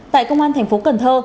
tại công an thành phố cần thơ